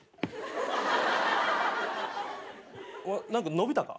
お前何か伸びたか？